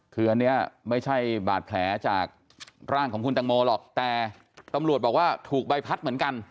คืออันนี้ไม่ใช่บาดแผลจากร่างของคุณตังโมหรอกแต่ตำรวจบอกว่าถูกใบพัดเหมือนกัน